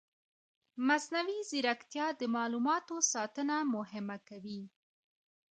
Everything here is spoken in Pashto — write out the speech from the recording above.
مصنوعي ځیرکتیا د معلوماتو ساتنه مهمه کوي.